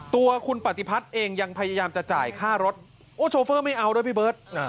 ตัวคุณปฏิพัฒน์เองยังพยายามจะจ่ายค่ารถโอ้โชเฟอร์ไม่เอาด้วยพี่เบิร์ต